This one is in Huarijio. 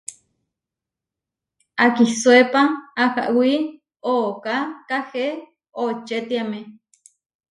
Akisuépa ahawí ooká kahé očetiáme.